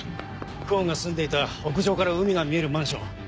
久遠が住んでいた屋上から海が見えるマンション。